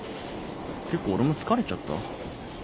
結構俺も疲れちゃった。